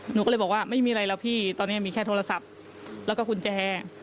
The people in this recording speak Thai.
หนูก็เลยบอกว่าไม่มีอะไรแล้วพี่ตอนนี้มีแค่โทรศัพท์แล้วก็กุญแจ